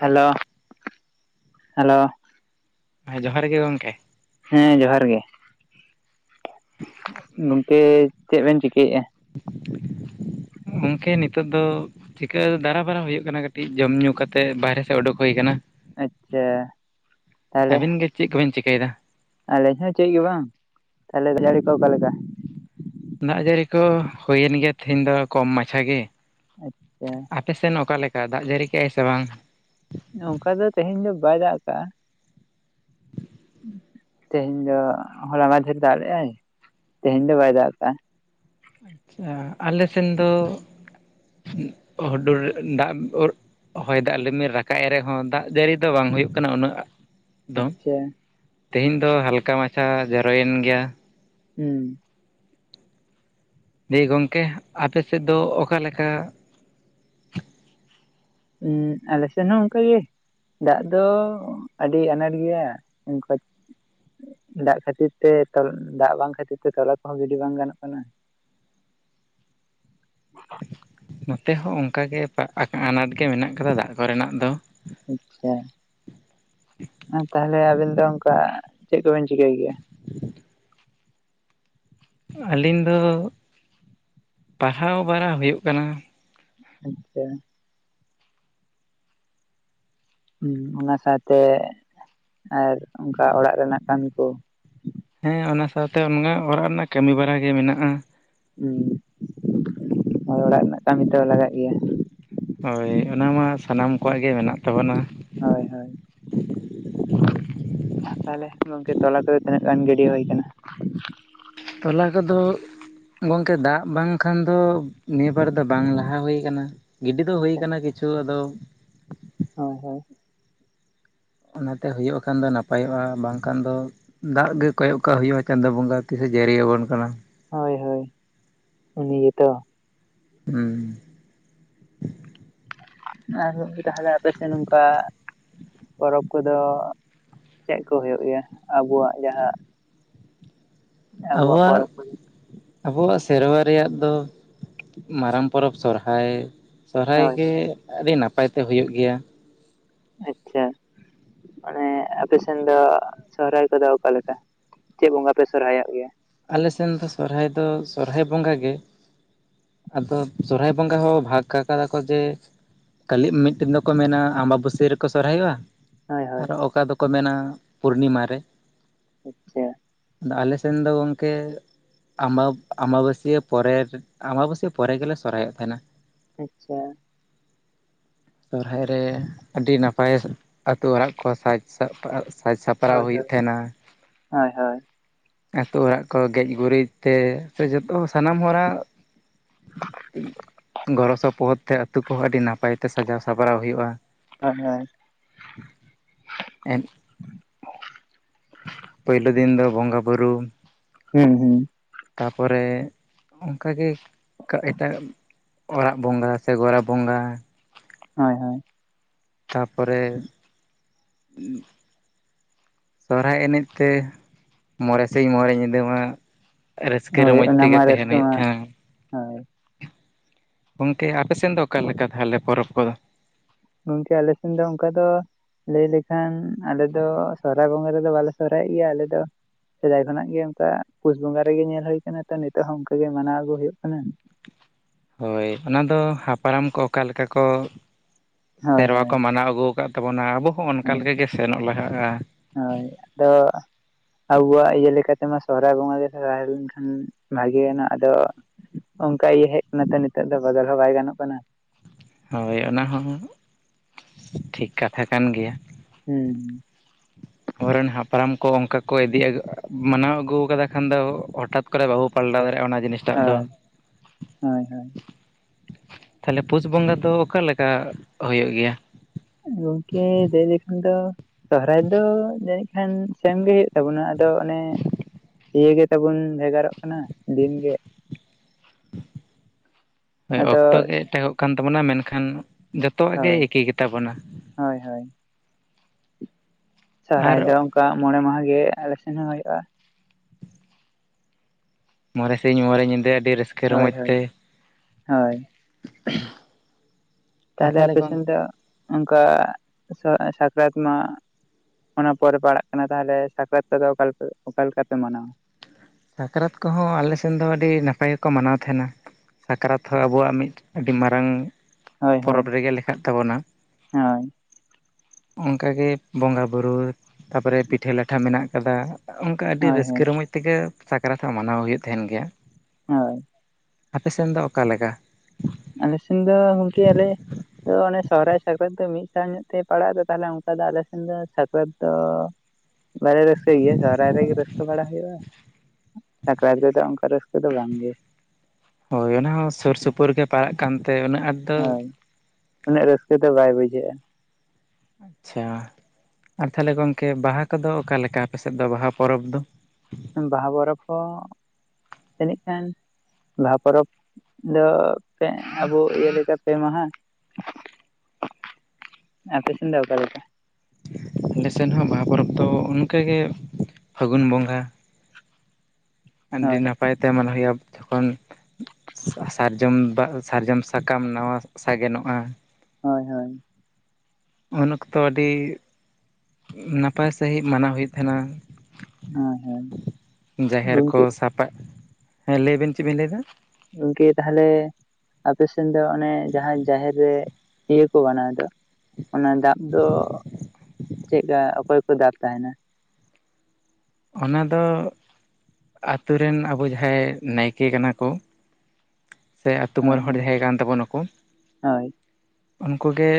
Hello hello. ᱦᱮᱸ ᱡᱚᱦᱟᱨ ᱜᱮ ᱜᱚᱢᱠᱮ᱾ ᱦᱮᱸ ᱡᱚᱦᱟᱨ ᱜᱮ᱾ ᱜᱚᱝᱠᱮ ᱪᱮᱫ ᱵᱮᱱ ᱪᱤᱠᱟᱹᱭᱮᱫᱼᱟ? ᱜᱚᱝᱠᱮ ᱱᱤᱛᱳᱜ ᱫᱚ ᱪᱤᱠᱟᱹ ᱫᱟᱨᱟᱵᱟᱨᱟ ᱦᱩᱭᱩᱜ ᱠᱟᱱᱟ ᱠᱟᱹᱴᱤᱡ ᱾ ᱠᱟᱹᱴᱤᱡ ᱡᱚᱢ ᱧᱩ ᱠᱟᱛᱮᱮᱫ ᱵᱟᱨᱦᱮ ᱥᱮᱫ ᱚᱰᱩᱠ ᱦᱩᱭ ᱟᱠᱟᱱᱟ᱾ ᱟᱪᱪᱷᱟ ᱛᱟᱦᱚᱞᱮ᱾ ᱤ ᱜᱮ ᱪᱮᱫ ᱠᱚᱵᱟᱹᱧ ᱪᱤᱠᱟᱹᱭᱮᱫᱟ? ᱟᱞᱮ ᱦᱚᱸ ᱪᱮᱫ ᱜᱮ ᱵᱟᱝ ᱛᱟᱦᱚᱞᱮ ᱡᱟᱹᱲᱤ ᱠᱚ ᱚᱠᱟᱮ ᱞᱮᱠᱟ? ᱫᱟᱜ ᱡᱟᱹᱲᱤ ᱠᱚ ᱦᱩᱭᱮᱱ ᱜᱮᱭᱟ ᱛᱮᱦᱤᱧ ᱫᱚ ᱠᱚᱢ ᱢᱟᱪᱷᱟ ᱜᱮ ᱟᱪᱪᱷᱟ ᱟᱯᱮᱥᱮᱱ ᱚᱠᱟ ᱞᱮᱠᱟ ᱫᱟᱜ ᱡᱟᱹᱲᱤ ᱠᱮᱫᱮᱜᱼᱟᱭ ᱥᱮ ᱵᱟᱝ? ᱚᱱᱠᱟ ᱫᱚ ᱛᱮᱦᱮᱧ ᱫᱚ ᱵᱟᱭ ᱫᱟᱜ ᱟᱠᱟᱜᱼᱟ᱾ ᱛᱮᱦᱮᱧ ᱫᱚ ᱦᱚᱞᱟ ᱢᱟᱫᱷᱮᱨ ᱫᱟᱜ ᱞᱮᱜ ᱟᱭ ᱛᱮᱦᱮᱧ ᱫᱚ ᱵᱟᱭ ᱫᱟᱜ ᱠᱟᱜᱟ᱾ ᱟᱪᱪᱷᱟ ᱟᱞᱮ ᱥᱮᱱ ᱫᱚ ᱦᱩᱰᱩᱨ ᱫᱟᱜᱻ ᱦᱚᱭ ᱫᱟᱜ ᱞᱤᱢᱤᱨ ᱨᱟᱠᱟᱵ ᱮᱜ ᱨᱮᱦᱚᱸ ᱫᱟᱜ ᱡᱟᱹᱲᱤ ᱫᱚ ᱵᱟᱝ ᱦᱩᱭᱩᱜ ᱠᱟᱱᱟ ᱩᱱᱟᱹᱜ᱾ ᱫᱚ ᱟᱪᱪᱷᱟ ᱛᱮᱦᱮᱧ ᱫᱚ ᱦᱟᱞᱠᱟ ᱢᱟᱪᱷᱟ ᱡᱚᱨᱚᱭᱮᱱ ᱜᱮᱭᱟ᱾ ᱦᱩᱸ᱾ ᱡᱮ ᱜᱚᱝᱠᱮ ᱟᱯᱮᱥᱮᱫ ᱫᱚ ᱚᱠᱟᱞᱮᱠᱟ᱾ ᱩᱸ ᱟᱞᱮᱥᱮᱱ ᱦᱚ ᱚᱱᱠᱟ ᱜᱮ᱾ ᱫᱟᱜ ᱫᱚ ᱟᱹᱰᱤ ᱟᱱᱟᱴ ᱜᱮᱭᱟ ᱾ ᱫᱟᱜ ᱠᱷᱟᱹᱛᱤᱨ ᱛᱮ ᱫᱟᱜ ᱵᱟᱝ ᱠᱷᱟᱹᱛᱤᱨ ᱛᱮ ᱛᱚᱞᱟ ᱠᱚᱦᱚᱸ ᱜᱤᱰᱤ ᱵᱟᱝ ᱜᱟᱱᱚᱜ ᱠᱟᱱᱟ᱾ ᱱᱚᱛᱮ ᱦᱚᱸ ᱚᱱᱠᱟ ᱜᱮ ᱟᱱᱟᱴ ᱜᱮ ᱢᱮᱱᱟᱜ ᱠᱟᱫᱟ ᱫᱟᱜ ᱠᱚᱨᱮᱱᱟᱜ ᱫᱚ᱾ ᱟᱪᱪᱷᱟ ᱛᱟᱦᱚᱞᱮ ᱟᱵᱤᱱ ᱫᱚ ᱚᱱᱠᱟ ᱪᱮᱫ ᱠᱚᱵᱮᱱ ᱪᱤᱠᱟᱹᱭ ᱜᱮᱭᱟ? ᱟᱹᱞᱤᱧ ᱫᱚ ᱯᱟᱲᱦᱟᱣ ᱵᱟᱲᱟ ᱦᱳᱭᱳᱜ ᱠᱟᱱᱟ᱾ ᱟᱪᱪᱷᱟ᱾ ᱦᱩᱸ ᱚᱱᱟ ᱥᱟᱶᱛᱮ ᱟᱨ ᱚᱝᱠᱟ ᱚᱲᱟᱜ ᱨᱮᱱᱟᱜ ᱠᱟᱢᱤ ᱠᱚ᱾ ᱦᱮᱸ ᱚᱱᱟ ᱥᱟᱶᱛᱮ ᱚᱱᱢᱚᱝᱟᱜ ᱚᱨᱟᱜ ᱨᱮᱱᱟᱜ ᱠᱟᱹᱢᱤ ᱵᱟᱨᱟ ᱜᱮ ᱢᱮᱱᱟᱜᱼᱟ᱾ ᱦᱩᱸ ᱦᱳᱭ ᱚᱲᱟᱜ ᱨᱮᱱᱟᱜ ᱠᱟᱹᱢᱤ ᱛᱚ ᱞᱟᱜᱟᱜ ᱜᱮᱭᱟ᱾ ᱦᱳᱭ ᱚᱱᱟ ᱢᱟ ᱥᱟᱱᱟᱢ ᱠᱚᱭᱟᱜ ᱜᱮ ᱢᱮᱱᱟᱜ ᱛᱟᱵᱚᱱᱟ᱾ ᱦᱳᱭ ᱦᱳᱭ ᱛᱟᱦᱞᱮ ᱜᱚᱝᱠᱮ ᱛᱚᱞᱟ ᱠᱚᱫᱚ ᱛᱤᱱᱟᱹᱜ ᱜᱟᱱ ᱜᱤᱰᱤ ᱦᱳᱭ ᱠᱟᱱᱟ? ᱛᱚᱞᱟ ᱠᱚᱫᱚ ᱜᱚᱝᱠᱮ ᱫᱟᱜ ᱵᱟᱝᱠᱷᱟᱱ ᱫᱚ, ᱱᱤᱭᱟᱹ ᱵᱟᱨ ᱫᱚ ᱵᱟᱝ ᱞᱟᱦᱟ ᱦᱳᱭ ᱠᱟᱱᱟ᱾ ᱜᱤᱰᱤ ᱫᱚ ᱦᱩᱭ ᱠᱟᱱᱟ ᱠᱤᱪᱷᱩ ᱟᱫᱚ ᱦᱳᱭ ᱦᱳᱭ ᱚᱱᱟᱛᱮ ᱦᱳᱭᱳᱜ ᱠᱷᱟᱱ ᱫᱚ ᱱᱟᱯᱟᱭᱚᱜᱼᱟ ᱵᱟᱝᱠᱷᱟᱱ ᱫᱚ ᱫᱟᱜ ᱜᱮ ᱠᱚᱭᱚᱜ ᱠᱟᱜ ᱦᱩᱭᱩᱜᱼᱟ ᱪᱟᱸᱫᱚ ᱵᱚᱸᱜᱟ ᱛᱤᱥᱮ ᱡᱟᱹᱨᱤᱭᱟᱵᱚᱱ ᱠᱟᱱᱟ᱾ ᱦᱳᱭ ᱦᱳᱭ ᱩᱱᱤ ᱜᱮᱛᱚ᱾ ᱦᱩᱸ ᱟᱨ ᱡᱟᱦᱟᱸᱱᱟ ᱟᱯᱮ ᱥᱮᱱ ᱚᱝᱠᱟ ᱯᱚᱨᱚᱵᱽ ᱠᱚᱫᱚ ᱪᱮᱜᱠᱚ ᱦᱳᱭᱳᱜ ᱜᱮᱭᱟ ᱟᱵᱩᱣᱟᱜ ᱡᱟᱦᱟᱸ ᱟᱵᱚᱣᱟᱜ ᱯᱚᱨᱚᱵᱽ ᱠᱚᱫᱚ? ᱟᱵᱚᱣᱟᱜ ᱥᱮᱨᱣᱟ ᱨᱮᱭᱟᱜ ᱫᱚ ᱢᱟᱨᱟᱝ ᱯᱚᱨᱚᱵᱽ ᱥᱚᱨᱦᱟᱭ, ᱥᱚᱦᱨᱟᱭ ᱦᱳᱭ ᱜᱮ ᱦᱳᱭ ᱟᱹᱰᱤ ᱱᱟᱯᱟᱭ ᱛᱮ ᱦᱳᱭᱳᱜ ᱜᱮᱭᱟ᱾ ᱟᱪᱪᱷᱟ ᱟᱱᱮ ᱟᱯᱮ ᱥᱮᱱ ᱫᱚ ᱥᱚᱦᱨᱟᱭ ᱠᱚᱫᱚ ᱚᱠᱟᱞᱮᱠᱟ, ᱪᱮᱜ ᱵᱚᱸᱜᱟ ᱯᱮ ᱥᱚᱨᱦᱟᱭᱚᱜ ᱜᱮᱭᱟ? ᱟᱞᱮ ᱥᱮᱱ ᱫᱚ ᱥᱚᱨᱦᱟᱭ ᱫᱚ, ᱥᱚᱨᱦᱟᱭ ᱵᱚᱸᱜᱟ ᱜᱮ᱾ ᱟᱫᱚ ᱥᱚᱨᱦᱟᱭ ᱵᱚᱸᱜᱟ ᱦᱚᱸ ᱵᱷᱟᱜᱽ ᱠᱟᱠᱟᱫᱟ ᱠᱚ ᱡᱮ ᱠᱷᱟᱹᱞᱤ ᱢᱤᱫᱴᱤᱱ ᱫᱚᱠᱚ ᱢᱮᱱᱟ ᱟᱢᱵᱟᱵᱟᱹᱥᱤᱭᱟ ᱨᱮᱠᱚ ᱥᱚᱨᱦᱟᱭᱚᱜᱼᱟ᱾ ᱦᱳᱭ ᱦᱳᱭ ᱟᱨᱚ ᱚᱠᱟ ᱫᱚᱠᱚ ᱢᱮᱱᱟ ᱯᱩᱨᱱᱤᱢᱟ ᱨᱮ᱾ ᱟᱪᱪᱷᱟ ᱟᱫᱚ ᱟᱞᱮ ᱥᱮᱱ ᱫᱚ ᱜᱚᱝᱠᱮ ᱟᱢᱵᱟᱵ ᱟᱢᱵᱟᱵᱟᱹᱥᱤᱭᱟᱹ ᱯᱚᱨᱮ ᱟᱢᱟᱵᱟᱹᱥᱤᱭᱟᱹ ᱯᱚᱨᱮ ᱜᱮᱞᱮ ᱥᱚᱨᱦᱟᱭᱚᱜ ᱛᱟᱦᱮᱱᱟ᱾ ᱟᱪᱪᱷᱟ ᱥᱚᱦᱟᱭ ᱨᱮ ᱟᱹᱰᱤ ᱱᱟᱯᱟᱭ ᱟᱹᱛᱩ ᱚᱲᱟᱜ ᱠᱚ ᱥᱟᱡᱽ ᱥᱟᱯ ᱥᱟᱡᱽ ᱥᱟᱯ ᱯᱨᱟᱣ ᱦᱳᱭ ᱦᱳᱭᱳᱜ ᱦᱳᱭ ᱛᱟᱦᱮᱸᱱᱟ ᱦᱳᱭ ᱦᱳᱭ ᱟᱹᱛᱩ ᱚᱲᱟᱜ ᱠᱚ ᱜᱮᱡ ᱜᱩᱨᱤᱡ ᱛᱮ ᱥᱮ ᱡᱚᱛᱚ ᱥᱟᱱᱟᱢ ᱦᱚᱲᱟᱜ ᱜᱚᱲᱚ ᱥᱚᱯᱚᱦᱚᱫ ᱛᱮ ᱟᱛᱳ ᱠᱚᱦᱚᱸ ᱟᱹᱰᱤ ᱱᱟᱯᱟᱭ ᱛᱮ ᱥᱟᱡᱟᱣ ᱥᱟᱯᱲᱟᱣ ᱦᱳᱭᱳᱜᱼᱟ᱾ ᱦᱮ ᱦᱮᱸ [unintelligible] ᱯᱳᱭᱞᱳ ᱫᱤᱱ ᱫᱚ ᱵᱚᱸᱜᱟ ᱵᱩᱨᱩ᱾ ᱦᱩᱸ ᱦᱩᱸ ᱛᱟᱯᱚᱨᱮ ᱚᱝᱠᱟᱜᱮ ᱮᱴᱟᱜ ᱚᱲᱟᱜ ᱵᱚᱸᱜᱟ ᱥᱮ ᱜᱳᱨᱟ ᱵᱚᱸᱜᱟ᱾ ᱦᱳᱭ ᱦᱳᱭ ᱛᱟᱯᱚᱨᱮ [unintelligible] ᱥᱚᱦᱨᱟᱭ ᱮᱱᱮᱡᱛᱮ ᱢᱚᱬᱮ ᱥᱤᱧ ᱢᱚᱬᱮ ᱧᱤᱫᱟᱹ ᱢᱟ ᱨᱟᱹᱥᱠᱟᱹ ᱦᱳᱭ ᱨᱚᱢᱚᱡᱽ ᱚᱱᱟ ᱛᱮᱜᱮ ᱢᱟ ᱛᱮᱦᱮᱱ ᱨᱟᱹᱥᱠᱟᱹ ᱦᱩᱭᱩᱜ ᱢᱟ ᱛᱟᱦᱮᱸᱜᱼᱟ᱾ ᱦᱳᱭ ᱜᱚᱝᱠᱮ ᱟᱯᱮ ᱥᱮᱱ ᱫᱚ ᱚᱠᱟ ᱞᱮᱠᱟ ᱛᱟᱦᱚᱞᱮ ᱯᱚᱨᱚᱵᱽ ᱠᱚᱫᱚ? ᱜᱚᱝᱠᱮ ᱟᱞᱮ ᱥᱮᱱ ᱫᱚ ᱚᱝᱠᱟ ᱫᱚ ᱞᱟᱹᱭ ᱞᱮᱠᱷᱟᱱ ᱟᱞᱮ ᱫᱚ ᱥᱚᱨᱦᱟᱭ ᱵᱚᱸᱜᱟ ᱨᱮᱫᱚ ᱵᱟᱞᱮ ᱥᱚᱨᱦᱟᱭᱚᱜ ᱜᱮᱭᱟ ᱟᱞᱮ ᱫᱚ᱾ ᱥᱮᱫᱟᱭ ᱠᱷᱚᱱᱟᱜ ᱜᱮ ᱚᱝᱠᱟ ᱯᱩᱥ ᱵᱚᱸᱜᱟ ᱨᱮᱜᱮ ᱧᱮᱞ ᱦᱳᱭ ᱠᱟᱱᱟ ᱛᱚ ᱱᱤᱛᱚᱜ ᱦᱚᱸ ᱚᱝᱠᱟ ᱜᱮ ᱢᱟᱱᱟᱣ ᱟᱹᱜᱩ ᱦᱩᱭᱩᱜ ᱠᱟᱱᱟ᱾ ᱦᱳᱭ ᱚᱱᱟ ᱫᱚ ᱦᱟᱯᱲᱟᱢ ᱠᱚ ᱚᱠᱟᱞᱮᱠᱟ ᱠᱚ ᱦᱳᱭ ᱥᱮᱨᱣᱟ ᱠᱚ ᱦᱳᱭ ᱢᱟᱱᱟᱣ ᱟᱹᱜᱩ ᱠᱟᱜᱣᱟ ᱛᱟᱵᱚᱱᱟ ᱟᱵᱚ ᱦᱚᱸ ᱚᱱᱠᱟ ᱦᱳᱭ ᱞᱮᱠᱟᱜᱮ ᱥᱮᱱᱚᱜ ᱞᱟᱦᱟᱜᱼᱟ᱾ ᱦᱳᱭ ᱟᱫᱚ ᱟᱵᱩᱣᱟᱜ ᱤᱭᱟᱹ ᱞᱮᱠᱟᱛᱮᱢᱟ ᱥᱚᱦᱚᱨᱟᱭ ᱵᱚᱸᱜᱟ ᱨᱮ ᱥᱚᱨᱟᱭ ᱞᱮᱱᱠᱷᱟᱱ ᱵᱷᱟᱜᱮᱭᱟᱱᱟ ᱟᱫᱚ ᱚᱱᱠᱟ ᱜᱮ ᱦᱮᱡ ᱱᱟᱛᱚ ᱱᱤᱛᱚᱜ ᱫᱚ ᱵᱚᱫᱚᱞ ᱦᱚᱸ ᱵᱟᱭ ᱜᱟᱱᱚᱜ ᱠᱟᱱᱟ ᱦᱳᱭ ᱚᱱᱟ ᱦᱚᱸ ᱴᱷᱤᱠ ᱠᱟᱛᱷᱟ ᱠᱟᱱ ᱜᱮᱭᱟ᱾ ᱦᱩᱸ ᱟᱵᱚᱨᱮᱱ ᱦᱟᱯᱲᱟᱢ ᱠᱚ ᱚᱱᱠᱟ ᱠᱚ ᱤᱫᱤ ᱢᱟᱱᱟᱣ ᱟᱹᱜᱩ ᱟᱠᱟᱫᱟ ᱠᱷᱟᱱ ᱫᱚ ᱦᱚᱴᱟᱛ ᱠᱚᱨᱮ ᱵᱟᱵᱚ ᱯᱟᱞᱴᱟᱣ ᱫᱟᱲᱮᱭᱟᱜᱼᱟ ᱚᱱᱟ ᱡᱤᱱᱤᱥ ᱦᱳᱭ ᱦᱳᱭ ᱦᱳᱭ ᱛᱟᱦᱚᱞᱮ ᱯᱩᱥ ᱵᱚᱸᱜᱟ ᱫᱚ ᱚᱠᱟ ᱞᱮᱠᱟ ᱦᱩᱭᱩᱜ ᱜᱮᱭᱟ? ᱜᱚᱢᱠᱮ ᱫᱟᱹᱭ ᱞᱮᱠᱷᱟᱱ ᱫᱚ ᱥᱚᱦᱚᱨᱟᱭ ᱫᱚ ᱡᱟᱹᱱᱤᱡ ᱠᱷᱟᱱ ᱥᱮᱢᱜᱮ ᱦᱩᱭᱩᱜ ᱛᱟᱵᱚᱱᱟ ᱟᱫᱚ ᱚᱱᱮ ᱤᱭᱟᱹ ᱜᱮ ᱛᱟᱵᱚᱱ ᱵᱷᱮᱜᱟᱨᱚᱜ ᱠᱟᱱᱟ ᱫᱤᱱᱜᱮ ᱦᱮᱸ ᱟᱫᱚ ᱚᱠᱛᱚ ᱜᱮ ᱮᱴᱟᱠᱚᱜ ᱠᱟᱱ ᱛᱟᱵᱚᱱᱟ ᱢᱮᱱᱠᱷᱟᱱ ᱡᱚᱛᱚᱣᱟᱜ ᱜᱮ ᱦᱳᱭ ᱮᱠᱤ ᱜᱮᱛᱟ ᱵᱚᱱᱟ ᱦᱳᱭ ᱦᱳᱭ ᱟᱨ ᱥᱚᱨᱦᱟᱭ ᱫᱚ ᱚᱱᱠᱟ ᱢᱚᱬᱮ ᱢᱟᱦᱟ ᱜᱮ ᱟᱞᱮ ᱥᱮᱱ ᱦᱚᱸ ᱦᱩᱭᱩᱜᱼᱟ᱾ ᱢᱚᱬᱮ ᱥᱤᱧ ᱢᱚᱬᱮ ᱧᱤᱫᱟᱹ ᱟᱹᱰᱤ ᱨᱟᱹᱥᱠᱟᱹ ᱦᱳᱭ ᱨᱚᱢᱚᱡᱽ ᱛᱮ ᱦᱳᱭ ᱦᱳᱭ ᱟᱨ ᱛᱟᱦᱚᱞᱮ ᱟᱯᱮ ᱥᱮᱱ ᱜᱚᱝᱠᱮ ᱫᱚ ᱚᱱᱠᱟ ᱥᱟᱠᱨᱟᱛ ᱢᱟ ᱚᱱᱟ ᱯᱚᱨᱮ ᱯᱟᱲᱟᱜ ᱠᱟᱱᱟ ᱛᱟᱦᱚᱞᱮ ᱥᱟᱠᱨᱟᱛᱚ ᱫᱚ ᱚᱠᱟ ᱚᱠᱟᱞ ᱞᱮᱠᱟ ᱯᱮ ᱢᱟᱱᱟᱣᱟ? ᱥᱟᱠᱨᱟᱛ ᱠᱚᱦᱚᱸ ᱟᱞᱮᱥᱮᱱ ᱫᱚ ᱟᱹᱰᱤ ᱱᱟᱯᱟᱭ ᱜᱮᱠᱚ ᱢᱟᱱᱟᱣ ᱛᱟᱦᱮᱱᱟ᱾ ᱥᱟᱠᱨᱟᱛ ᱦᱚᱸ ᱟᱵᱚᱣᱟᱜ ᱢᱤᱫ ᱟᱹᱰᱤ ᱢᱟᱨᱟᱝ ᱦᱳᱭ ᱦᱳᱭ ᱯᱚᱨᱚᱵᱽ ᱨᱮᱜᱮ ᱞᱮᱠᱷᱟᱜ ᱛᱟᱵᱚᱱᱟ᱾ ᱦᱳᱭ ᱚᱱᱠᱟᱜᱮ ᱵᱚᱸᱜᱟ ᱵᱩᱨᱩ ᱛᱟᱯᱚᱨᱮ ᱯᱤᱴᱷᱟᱹ ᱞᱟᱴᱷᱟ ᱢᱮᱱᱟᱜ ᱠᱟᱫᱟ ᱟᱹᱰᱤ ᱦᱳᱭ ᱨᱟᱹᱥᱠᱟᱹ ᱦᱳᱭ ᱨᱚᱢᱚᱡᱽ ᱛᱮᱜᱮ ᱥᱟᱠᱨᱟᱛ ᱢᱟᱱᱟᱣ ᱦᱩᱭᱩᱜ ᱛᱟᱦᱮᱱ ᱜᱮᱭᱟ᱾ ᱦᱳᱭ ᱟᱯᱮᱥᱮᱱ ᱫᱚ ᱚᱠᱟᱞᱮᱠᱟ? ᱟᱞᱮ ᱥᱮᱱ ᱫᱚ ᱜᱚᱢᱠᱮ ᱟᱞᱮ ᱟᱫᱚ ᱚᱱᱮ ᱥᱚᱦᱚᱨᱟᱭ ᱥᱟᱠᱨᱟᱛ ᱫᱚ ᱢᱤᱫ ᱥᱟᱶ ᱧᱚᱜ ᱛᱮ ᱯᱟᱲᱟᱜ ᱫᱟ ᱛᱟᱦᱚᱞᱮ ᱚᱱᱠᱟ ᱫᱚ ᱟᱞᱮ ᱥᱮᱱ ᱫᱚ ᱥᱟᱠᱨᱟᱛ ᱫᱚ ᱵᱟᱞᱮ ᱨᱟᱹᱥᱠᱟᱹᱭ ᱜᱮᱭᱟ ᱥᱚᱦᱚᱨᱟᱭ ᱨᱮᱜᱮ ᱨᱟᱹᱥᱠᱟᱹ ᱵᱟᱲᱟ ᱦᱩᱭᱩᱜᱼᱟ᱾ ᱥᱟᱠᱨᱟᱛ ᱨᱮᱫᱚ ᱚᱱᱠᱟ ᱨᱟᱹᱥᱠᱟᱹ ᱫᱚ ᱵᱟᱝ ᱜᱮ ᱦᱳᱭ ᱚᱱᱟ ᱦᱚᱸ ᱥᱩᱨ ᱥᱩᱯᱩᱨ ᱜᱮ ᱯᱟᱲᱟᱜ ᱠᱟᱱᱛᱮ ᱩᱱᱟᱹᱜ ᱟᱸᱴ ᱫᱚ ᱦᱳᱭ ᱩᱱᱟᱹᱜ ᱨᱟᱹᱥᱠᱟᱹ ᱫᱚ ᱵᱟᱭ ᱵᱩᱡᱷᱟᱹᱜᱼᱟ᱾ ᱟᱪᱪᱷᱟ ᱟᱨ ᱛᱟᱦᱚᱞᱮ ᱜᱚᱝᱠᱮ ᱵᱟᱦᱟ ᱠᱚᱫᱚ ᱚᱠᱟᱞᱮᱠᱟ ᱟᱯᱮᱥᱮᱫ ᱫᱚ ᱵᱟᱦᱟ ᱯᱚᱨᱚᱵᱽ ᱫᱚ ᱵᱟᱦᱟ ᱯᱚᱨᱚᱵᱽ ᱦᱚᱸ ᱛᱤᱱᱟᱹᱜ ᱜᱟᱱ ᱵᱟᱦᱟ ᱯᱚᱨᱚᱵᱽ ᱟᱫᱚ ᱛᱮ ᱟᱵᱚ ᱤᱭᱟᱹ ᱞᱮᱠᱟ ᱯᱮ ᱢᱟᱦᱟ ᱟᱯᱮᱥᱮᱱ ᱫᱚ ᱚᱠᱟ ᱞᱮᱠᱟ? ᱟᱞᱮ ᱥᱮᱱ ᱦᱚᱸ ᱵᱟᱦᱟ ᱯᱚᱨᱚᱵᱽ ᱫᱚ ᱚᱱᱠᱟᱜᱮ ᱯᱷᱟᱹᱜᱩᱱ ᱵᱚᱸᱜᱟ [inaudible] ᱟᱹᱰᱤ ᱱᱟᱯᱟᱭ ᱛᱮ ᱢᱚᱱᱮ ᱦᱩᱭᱩᱜᱼᱟ ᱡᱚᱠᱷᱚᱱ ᱥᱟᱨᱡᱚᱢ ᱫᱟ ᱥᱟᱨᱡᱚᱢ ᱥᱟᱠᱟᱢ ᱱᱟᱣᱟ ᱥᱟᱜᱮᱱᱚᱜᱼᱟ ᱦᱳᱭ ᱦᱳᱭ ᱩᱱ ᱚᱠᱛᱚ ᱟᱹᱰᱤ ᱱᱟᱯᱟᱭ ᱥᱟᱺᱦᱤᱡ ᱢᱟᱱᱟᱣ ᱦᱩᱭᱩᱜ ᱛᱟᱦᱮᱱᱟ᱾ ᱦᱳᱭ ᱦᱳᱭ ᱡᱟᱦᱮᱨ ᱠᱚ ᱜᱚᱝᱠᱮ ᱥᱟᱯᱟᱵ ᱦᱮᱸ ᱞᱟᱹᱭᱵᱱ ᱪᱮᱫ ᱵᱮᱤᱱ ᱞᱟᱹᱭᱫᱟ? ᱜᱚᱝᱠᱮ ᱛᱟᱦᱚᱞᱮ ᱟᱯᱮ ᱥᱮᱱ ᱫᱚ ᱚᱱᱮ ᱡᱟᱦᱟᱸ ᱡᱟᱦᱮᱨ ᱨᱮ ᱤᱭᱟᱹ ᱠᱚ ᱵᱮᱱᱟᱣ ᱫᱚ ᱚᱱᱟ ᱫᱟᱵᱽ ᱫᱚ ᱪᱮᱫᱠᱟ ᱚᱠᱚᱭ ᱠᱚ ᱫᱟᱵᱽ ᱛᱟᱦᱮᱱᱟ? ᱚᱱᱟ ᱫᱚ ᱟᱛᱳ ᱨᱮᱱ ᱟᱵᱚ ᱡᱟᱦᱟᱸᱭ ᱱᱟᱭᱠᱮ ᱠᱟᱱᱟ ᱠᱚ ᱥᱮ ᱟᱹᱛᱩ ᱦᱳᱭ ᱢᱚᱬᱮ ᱦᱚᱲ ᱦᱳᱭ ᱡᱟᱦᱟᱸᱭ ᱠᱟᱱ ᱛᱟᱵᱚᱱᱟᱠᱚ᱾ ᱦᱳᱭ ᱩᱝᱠᱩᱜ ᱜᱮ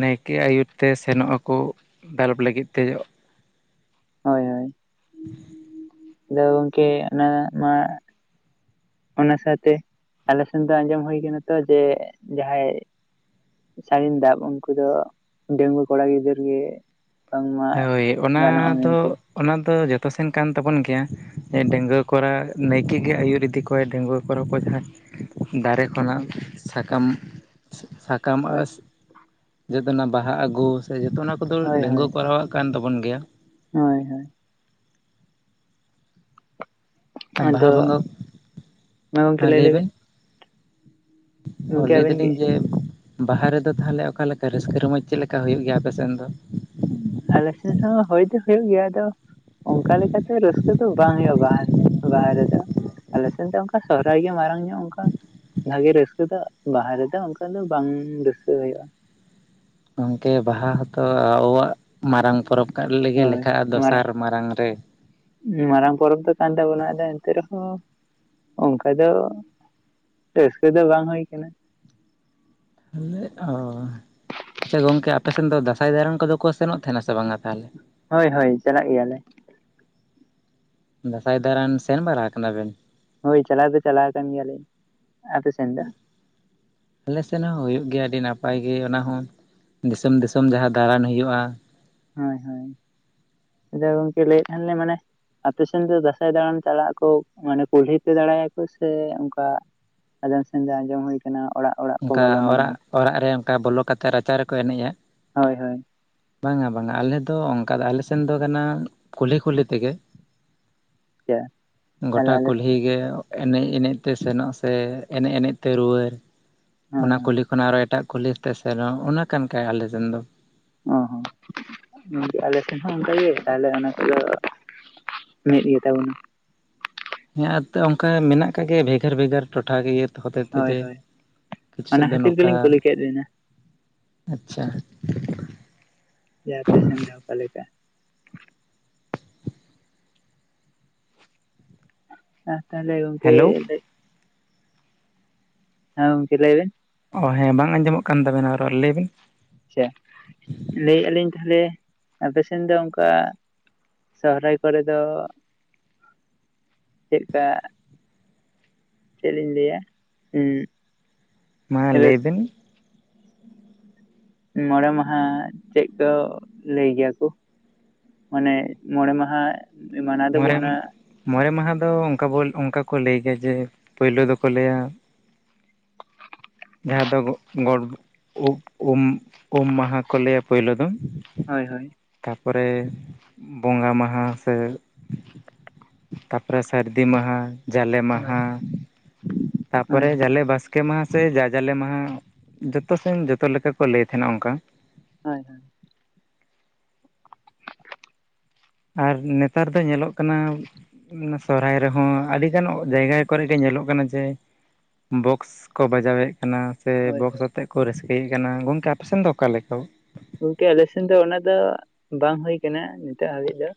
ᱱᱟᱭᱠᱮ ᱟᱹᱭᱩᱨ ᱛᱮ ᱥᱮᱱᱚᱜ ᱟᱠᱚ ᱫᱟᱞᱚᱯ ᱞᱟᱹᱜᱤᱫ ᱛᱮ ᱦᱳᱭ ᱦᱳᱭ [unintelligible] ᱟᱫᱚ ᱜᱚᱝᱠᱮ ᱚᱱᱟ ᱢᱟ ᱚᱱᱟ ᱥᱟᱶᱛᱮ ᱟᱞᱮᱥᱮᱱ ᱫᱚ ᱟᱸᱡᱚᱢ ᱦᱩᱭ ᱟᱠᱟᱱᱟ ᱛᱚ ᱡᱮ ᱡᱟᱦᱟᱸᱭ ᱥᱟᱹᱲᱤᱢ ᱫᱟᱵ ᱩᱱᱠᱩ ᱫᱚ ᱰᱮᱝᱜᱩᱣᱟᱹ ᱠᱚᱲᱟ ᱜᱤᱫᱟᱹᱨ ᱜᱮ ᱵᱟᱝᱢᱟ ᱦᱳᱭ ᱜᱟᱱᱚᱜᱼᱟ ᱚᱱᱟ ᱫᱚ ᱢᱮᱱᱛᱮ ᱚᱱᱟ ᱫᱚ ᱡᱚᱛᱚ ᱥᱮᱱ ᱠᱟᱱ ᱛᱟᱵᱚᱱ ᱜᱮᱭᱟ ᱰᱮᱝᱜᱩᱟᱹ ᱠᱚᱨᱟ ᱱᱟᱭᱠᱮ ᱜᱮ ᱟᱹᱭᱩᱨ ᱤᱫᱤ ᱠᱚ ᱰᱮᱝᱜᱩᱣᱟᱹ ᱯᱚᱨᱚ ᱠᱚ ᱡᱟᱦᱟᱸ ᱫᱟᱨᱮ ᱠᱷᱚᱱᱟᱜ ᱥᱟᱠᱟᱢ ᱥᱟ ᱠᱟᱢ ᱦᱳᱭ ᱟᱥ ᱡᱮᱫᱚᱱ ᱚᱱᱟ ᱵᱟᱦᱟ ᱟᱹᱜᱩ ᱥᱮ ᱡᱚᱛᱚ ᱚᱱᱟ ᱠᱚᱫᱚ ᱦᱳᱭ ᱦᱳᱭ ᱰᱟᱺᱜᱩᱣᱟᱹ ᱠᱚᱨᱟᱣ ᱠᱟᱱ ᱛᱟᱵᱚᱱ ᱜᱮᱭᱟ᱾ ᱦᱳᱭ ᱦᱳᱭ ᱵᱟᱦᱟ ᱟᱫᱚ ᱵᱚᱸᱜᱟ ᱢᱟ ᱜᱚᱝᱠᱮ ᱦᱮᱸ ᱞᱟᱹᱭ ᱵᱮᱱ ᱞᱮᱵᱤᱱ? ᱚ ᱞᱟᱹᱭ ᱟᱵᱮᱱ ᱜᱮ ᱫᱟᱞᱤᱧ ᱡᱮ ᱵᱟᱦᱟ ᱨᱮᱫᱚ ᱛᱟᱦᱚᱞᱮ ᱚᱠᱟ ᱞᱮᱠᱟ ᱨᱟᱹᱥᱠᱟᱹ ᱨᱚᱢᱚᱡᱽ ᱪᱮᱫ ᱞᱮᱠᱟ ᱦᱩᱭᱩᱜ ᱜᱮᱭᱟ ᱟᱯᱮ ᱥᱮᱱ ᱫᱚ? ᱟᱞᱮᱥᱮᱱ ᱦᱚᱸ ᱦᱳᱭ ᱫᱚ ᱦᱳᱭᱳᱜ ᱜᱮᱭᱟ ᱟᱫᱚ ᱚᱱᱠᱟ ᱞᱮᱠᱟᱛᱮ ᱨᱟᱹᱥᱠᱟᱹ ᱫᱚ ᱵᱟᱝ ᱦᱩᱭᱩᱜᱼᱟ ᱵᱟᱦᱟ ᱵᱟᱦᱟ ᱨᱮᱫᱚ᱾ ᱟᱞᱮ ᱥᱮᱱ ᱫᱚ ᱚᱱᱠᱟ ᱥᱚᱦᱨᱟᱭ ᱜᱮ ᱢᱟᱨᱟᱝ ᱧᱚᱜ ᱚᱝᱠᱟ ᱵᱷᱟᱜᱮ ᱨᱟᱹᱥᱠᱟᱹ ᱫᱚ ᱵᱟᱦᱟ ᱨᱮᱫᱚ ᱚᱱᱠᱟ ᱫᱚ ᱵᱟᱝ ᱨᱟᱹᱥᱠᱟᱹ ᱦᱳᱭᱳᱜᱼᱟ᱾ ᱜᱚᱢᱠᱮ ᱵᱟᱦᱟ ᱦᱚᱸᱛᱚ ᱟᱵᱚᱣᱟᱜ ᱢᱟᱨᱟᱝ ᱯᱚᱨᱚᱵᱽ ᱠᱟᱜ ᱞᱮᱜᱮ ᱞᱮᱠᱷᱟᱜᱼᱟ ᱫᱚᱥᱟᱨ ᱢᱟᱨᱟᱝ ᱨᱮ᱾ ᱢᱟᱨᱟᱝ ᱯᱚᱨᱚᱵᱽ ᱫᱚ ᱠᱟᱱ ᱛᱟᱵᱚᱱᱟ ᱟᱫᱚ ᱮᱱᱛᱮ ᱨᱮᱦᱚᱸ ᱚᱱᱠᱟ ᱫᱚ ᱨᱟᱹᱥᱠᱟᱹ ᱫᱚ ᱵᱟᱝ ᱦᱳᱭ ᱠᱟᱱᱟ᱾ [unintelligible] ᱚ ᱟᱪᱪᱷᱟ ᱜᱚᱝᱠᱮ ᱟᱯᱮ ᱥᱮᱱ ᱫᱚ ᱫᱟᱸᱥᱟᱭ ᱫᱟᱬᱟᱱ ᱠᱚᱫᱚ ᱠᱚ ᱥᱮᱱᱚᱜ ᱛᱟᱦᱮᱸᱱᱟ ᱥᱮ ᱵᱟᱝᱟ ᱛᱟᱦᱚᱞᱮ? ᱦᱳᱭ ᱦᱳᱭ ᱪᱟᱞᱟᱜ ᱜᱮᱭᱟᱞᱮ᱾ ᱫᱟᱸᱥᱟᱭ ᱫᱟᱨᱟᱱ ᱥᱮᱱ ᱵᱟᱨᱟ ᱠᱟᱱᱟ ᱵᱮᱱ? ᱦᱳᱭ ᱪᱟᱞᱟᱣ ᱫᱚ ᱪᱟᱞᱟᱣ ᱟᱠᱟᱱ ᱜᱮᱭᱟ ᱞᱤᱧ ᱟᱯᱮ ᱥᱮᱱ ᱫᱚ? ᱟᱞᱮ ᱥᱮᱱ ᱦᱚᱸ ᱦᱳᱭᱳᱜ ᱜᱮᱭᱟ ᱟᱹᱰᱤ ᱱᱟᱯᱟᱭ ᱜᱮ ᱚᱱᱟ ᱦᱚᱸ ᱫᱤᱥᱚᱢ ᱫᱤᱥᱚᱢ ᱡᱟᱦᱟᱸ ᱫᱟᱬᱟᱱ ᱦᱳᱭᱳᱜᱼᱟ᱾ ᱦᱳᱭ ᱦᱳᱭ ᱟᱫᱚ ᱜᱚᱝᱠᱮ ᱞᱟᱹᱭᱮᱫ ᱛᱟᱦᱮᱸ ᱟᱞᱤᱧ ᱢᱟᱱᱮ ᱟᱯᱮ ᱥᱮᱱ ᱫᱚ ᱫᱟᱸᱥᱟᱭ ᱫᱟᱬᱟᱱ ᱪᱟᱞᱟᱜ ᱟᱠᱚ ᱢᱟᱱᱮ ᱠᱩᱞᱦᱤ ᱯᱮ ᱫᱟᱬᱟᱭᱟᱠᱚ ᱥᱮ ᱚᱝᱠᱟ ᱟᱸᱫᱚᱢ ᱥᱮᱱ ᱟᱸᱡᱚᱢ ᱦᱳᱭ ᱚᱲᱟᱜ ᱚᱲᱟᱜ ᱠᱚ ᱚᱱᱠᱟ ᱵᱚᱞᱚᱱᱟ ᱚᱲᱟᱜ ᱢᱮᱱᱛᱮ ᱚᱲᱟᱜ ᱨᱮ ᱚᱱᱠᱟ ᱵᱚᱞᱚ ᱠᱟᱛᱮᱜ ᱨᱟᱪᱟ ᱨᱮᱠᱚ ᱮᱱᱮᱡᱼᱟ᱾ ᱦᱳᱭ ᱦᱳᱭ ᱵᱟᱝᱟ ᱵᱟᱝᱟ ᱟᱞᱮ ᱫᱚ ᱚᱱᱠᱟ ᱫᱚ ᱟᱞᱮᱥᱱ ᱫᱚ ᱠᱟᱱᱟ ᱠᱩᱞᱦᱤ ᱠᱩᱞᱦᱤ ᱛᱮᱜᱮ᱾ ᱟᱪᱪᱷᱟ ᱛᱟᱦᱚᱞᱮ ᱜᱚᱴᱟ ᱟᱞᱮ ᱠᱩᱞᱦᱤ ᱜᱮ ᱮᱱᱮᱡᱽ ᱮᱱᱮᱡᱽ ᱛᱮ ᱥᱮᱱᱚᱜ ᱥᱮ ᱮᱱᱮᱡᱽ ᱮᱱᱮᱡᱽ ᱛᱮ ᱨᱩᱣᱟᱹᱨ ᱦᱳᱭ ᱚᱱᱟ ᱦᱳᱭ ᱠᱩᱞᱦᱤ ᱠᱷᱚᱱᱟᱜ ᱟᱨᱚ ᱮᱴᱟᱜ ᱠᱩᱞᱦᱤᱛᱮ ᱥᱮᱱᱚᱜ ᱠᱟᱱ ᱜᱮᱟᱭ ᱟᱞᱮ ᱥᱮᱱ ᱫᱚ᱾ ᱚ ᱦᱚᱸ ᱟᱞᱮ ᱥᱮᱱ ᱦᱚᱸ ᱚᱱᱠᱟᱜ ᱜᱮ ᱛᱟᱦᱞᱮ ᱚᱱᱟ ᱠᱚᱫᱚ ᱢᱤᱫ ᱜᱮᱛᱟ ᱵᱚᱱᱟ᱾ ᱦᱮᱸ ᱚᱱᱠᱟ ᱢᱮᱱᱟᱜ ᱟᱠᱟᱜ ᱜᱮᱭᱟ ᱵᱷᱮᱜᱟᱨ ᱵᱷᱮᱜᱟᱨ ᱴᱚᱴᱷᱟ ᱠᱤᱭᱟᱹ ᱦᱚᱛᱮᱡ ᱛᱮ ᱦᱳᱭ ᱡᱮ ᱦᱳᱭ ᱠᱤᱪᱷᱩ ᱥᱮᱫ ᱚᱱᱟ ᱫᱚ ᱠᱷᱟᱹᱛᱤᱨ ᱱᱚᱝᱠᱟ, ᱜᱮᱞᱤᱧ ᱠᱩᱞᱤ ᱠᱮᱫ ᱵᱤᱱᱟ ᱟᱪᱪᱷᱟ᱾ ᱡᱟᱦᱟ ᱛᱤᱥ ᱡᱟᱣ ᱚᱠᱟᱞᱮᱠᱟ? ᱦᱮᱸ ᱛᱟᱦᱚᱞᱮ ᱜᱚᱝᱠᱮ ᱦᱮᱞᱳ ᱞᱟᱹᱭ ᱦᱮᱸ ᱜᱚᱢᱠᱮ ᱞᱟᱹᱭᱵᱮᱱ? ᱚ ᱦᱮᱸ ᱵᱟᱝ ᱟᱸᱡᱚᱢᱚᱜ ᱠᱟᱱ ᱛᱟᱵᱮᱱᱟ ᱨᱚᱲ ᱞᱮᱭ ᱵᱤᱱ? ᱟᱪᱪᱷᱟ ᱞᱟᱹᱭᱮᱫᱼᱟ ᱞᱤᱧ ᱛᱟᱦᱚᱞᱮ ᱟᱯᱮᱥᱱ ᱫᱚ ᱚᱝᱠᱟ ᱥᱚᱦᱨᱟᱭ ᱠᱚᱨᱮ ᱫᱚ ᱪᱮᱫ ᱠᱟ? ᱪᱮᱫᱞᱤᱧ ᱞᱟᱹᱭᱟ ᱦᱩᱸ ᱢᱟ ᱞᱟᱹᱭᱵᱤᱱ? [inaudible] ᱢᱚᱚᱲᱮ ᱢᱟᱦᱟ ᱪᱮᱫ ᱠᱚ ᱞᱟᱹᱭ ᱜᱮᱭᱟ ᱠᱚ᱾ ᱢᱟᱱᱮ ᱢᱚᱬᱮ ᱢᱟᱦᱟ᱾ ᱢᱟᱱᱟᱣ ᱫᱚᱵᱚ ᱢᱚᱲᱮᱢ ᱚᱱᱟ ᱢᱚᱬᱮ ᱢᱟᱦᱟ ᱫᱚ ᱚᱱᱠᱟ ᱵᱚᱞ ᱚᱱᱠᱟ ᱠᱚ ᱞᱟᱹᱭ ᱜᱮᱭᱟ ᱡᱮ ᱯᱩᱭᱞᱩ ᱫᱚᱠᱚ ᱞᱟᱹᱭᱟ- ᱡᱟᱦᱟᱸ ᱫᱚ ᱜᱚ ᱜᱚᱴ ᱩᱜ ᱩᱢ ᱩᱢ ᱢᱟᱦᱟ ᱠᱚ ᱞᱟᱹᱭᱟ ᱯᱳᱭᱞᱳ ᱫᱚ᱾ ᱦᱳᱭ ᱦᱳᱭ᱾ ᱛᱟᱨᱯᱚᱨᱮ ᱵᱚᱸᱜᱟ ᱢᱟᱦᱟ ᱥᱮ- ᱛᱟᱯᱚᱨᱮ ᱥᱟᱹᱨᱫᱤ ᱢᱟᱦᱟ ᱡᱟᱞᱮ ᱦᱳᱭ ᱢᱟᱦᱟ᱾ ᱦᱳᱭ ᱛᱟᱯᱚᱨᱮ ᱡᱟᱞᱮ ᱵᱟᱥ ᱠᱮ ᱢᱟᱦᱟ ᱥᱮ ᱡᱟ ᱡᱟᱞᱮ ᱢᱟᱦᱟ ᱡᱚᱛᱚ ᱥᱮᱱ ᱡᱚᱛᱚ ᱞᱮᱠᱟ ᱠᱚ ᱞᱟᱹᱭ ᱛᱟᱦᱮᱱᱟ ᱚᱱᱠᱟ᱾ ᱦᱳᱭ ᱦᱳᱭ᱾ ᱟᱨ ᱱᱮᱛᱟᱨ ᱫᱚ ᱧᱮᱞᱚᱜ ᱠᱟᱱᱟ, ᱚᱱᱟ ᱥᱚᱦᱟᱭ ᱨᱮᱦᱚᱸ ᱟᱹᱰᱤ ᱜᱟᱱ ᱡᱟᱭᱜᱟ ᱠᱚᱨᱮᱜ ᱧᱮᱞᱚᱜ ᱠᱟᱱᱟ ᱡᱮ ᱵᱚᱠᱥ ᱠᱚ ᱵᱟᱡᱟᱣᱮᱫ ᱠᱟᱱᱟ ᱥᱮ ᱦᱳᱭ ᱵᱚᱠᱥ ᱟᱛᱮᱫ ᱠᱚ ᱨᱟᱹᱥᱠᱟᱹᱭᱮᱫ ᱠᱟᱱᱟ ᱜᱚᱝᱠᱮ ᱟᱯᱮᱥᱮᱱ ᱫᱚ ᱚᱠᱟ ᱞᱮᱠᱟ? ᱜᱚᱝᱠᱮ ᱟᱞᱮ ᱥᱮᱱ ᱫᱚ ᱚᱱᱟ ᱫᱚ ᱵᱟᱝ ᱦᱩᱭ ᱠᱟᱱᱟ ᱱᱤᱛᱚᱜ ᱦᱟᱹᱵᱤᱡ ᱫᱚ᱾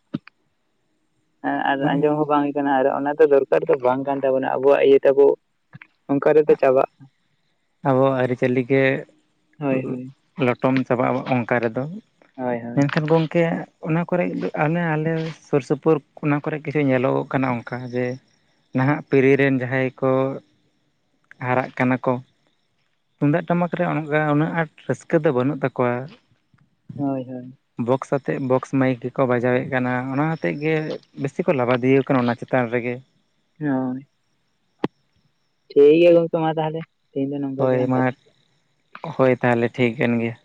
ᱟᱨ ᱟᱸᱡᱚᱢ ᱦᱚᱸ ᱵᱟᱝ ᱦᱩᱭ ᱠᱟᱱᱟ ᱟᱨ ᱚᱱᱟ ᱫᱚ ᱫᱚᱨᱠᱟᱨ ᱫᱚ ᱵᱟᱝ ᱠᱟᱱ ᱛᱟᱵᱚᱱᱟ ᱟᱵᱚᱣᱟᱜ ᱤᱭᱟᱹ ᱛᱟᱵᱚ- ᱚᱱᱠᱟ ᱨᱮᱛᱚ ᱪᱟᱵᱟᱜ᱾ ᱟᱵᱚᱣᱟᱜ ᱟᱹᱨᱤᱪᱟᱹᱞᱤ ᱜᱮ᱾ ᱦᱳᱭ ᱦᱳᱭ᱾ ᱞᱚᱴᱚᱢ ᱪᱟᱵᱟᱜᱼᱟ ᱚᱱᱠᱟ ᱨᱮᱫᱚ ᱦᱳᱭ ᱦᱳᱭ ᱢᱮᱱᱠᱷᱟᱱ ᱜᱚᱝᱠᱮ᱾ ᱚᱱᱟ ᱠᱚᱨᱮ ᱟᱱᱮ ᱟᱞᱮ ᱥᱩᱨ ᱥᱩᱯᱩᱨ ᱚᱱᱟ ᱠᱚᱨᱮ ᱜᱮ ᱧᱮᱞᱚᱜᱚᱜ ᱠᱟᱱᱟ ᱚᱱᱠᱟ ᱡᱮ- ᱱᱟᱦᱟᱜ ᱯᱤᱲᱦᱤ ᱨᱮᱱ ᱡᱟᱦᱟᱸᱭ ᱠᱚ ᱦᱟᱨᱟᱜ ᱠᱟᱱᱟ ᱠᱚ᱾ ᱛᱩᱦᱦᱫᱟᱜ ᱴᱟᱢᱟᱠ ᱨᱮ ᱩᱱᱟᱹᱜ ᱟᱸᱴ ᱨᱟᱹᱥᱠᱟᱹ ᱫᱚ ᱵᱟᱹᱱᱩᱜ ᱛᱟᱠᱚᱣᱟ᱾ ᱦᱳᱭ ᱦᱳᱭ᱾ ᱵᱚᱠᱥ ᱟᱛᱮᱜ ᱵᱚᱠᱥ ᱢᱟᱭᱤᱠ ᱜᱮᱠᱚ ᱵᱟᱡᱟᱣᱮᱫ ᱠᱟᱱᱟ ᱚᱱᱟ ᱦᱚᱛᱮᱜ ᱜᱮ ᱵᱮᱥᱤ ᱠᱚ ᱞᱟᱵᱟᱫᱤᱭᱚ ᱠᱟᱱᱟ ᱚᱱᱟ ᱪᱮᱛᱟᱱ ᱨᱮᱜᱮ᱾ ᱦᱳᱭ᱾ ᱴᱷᱤᱠ ᱜᱮᱭᱟ ᱜᱚᱝᱠᱮ ᱢᱟ ᱛᱟᱦᱚᱞᱮ᱾ ᱛᱮᱦᱮᱧ ᱫᱚ ᱱᱚᱝᱠᱟ ᱦᱳᱭ ᱜᱮᱞᱟᱝ ᱠᱟᱛᱷᱟᱜ ᱢᱟ ᱦᱳᱭ ᱛᱟᱦᱟᱞᱮ ᱴᱷᱤᱠ ᱠᱟᱱ ᱜᱮᱭᱟ᱾